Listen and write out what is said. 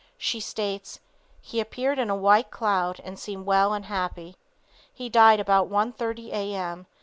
She states, he appeared in a white cloud and seemed well and happy. He died about 1:30 A.M.